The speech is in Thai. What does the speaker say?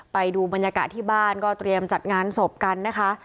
ไปดูบรรยากาศที่บ้านก็เตรียมจัดงานศพกันนะคะ